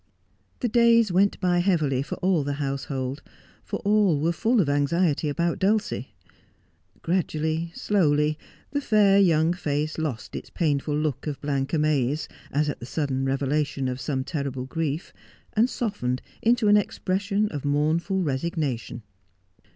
The days went by heavily for all the household , for all were full of anxiety about Dulcie. Gradually, slowly, the fair young face lost its painful look of blank amaze, as at the sudden revela tion of some terrible grief, and softened into a,n expression of mournful resignation.